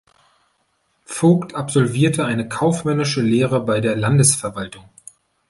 Vogt absolvierte eine Kaufmännische Lehre bei der Landesverwaltung.